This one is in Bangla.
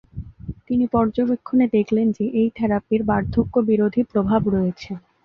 তিনি পর্যবেক্ষণে দেখলেন যে এই থেরাপির বার্ধক্য বিরোধী প্রভাব রয়েছে।